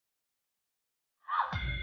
ntar yang ada lu kangen lagi sama dia